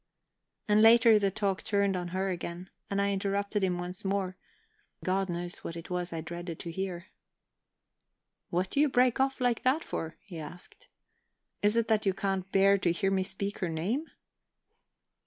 And later the talk turned on her again, and I interrupted him once more God knows what it was I dreaded to hear. "What do you break off like that for?" he asked. "Is it that you can't bear to hear me speak her name?"